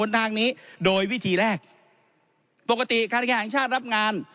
ทางนี้โดยวิธีแรกปกติการแข่งชาติรับงาน